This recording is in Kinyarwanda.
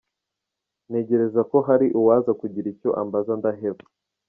Ntegereza ko hari uwaza kugira icyo ambaza ndaheba.